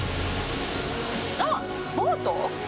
あっ、ボート？